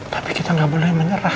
tapi kita nggak boleh menyerah